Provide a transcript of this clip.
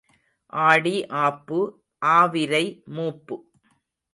ஆடி ஆப்பு, ஆவிரை மூப்பு.